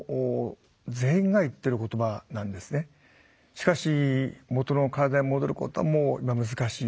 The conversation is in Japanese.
しかし元の体に戻ることはもう難しい。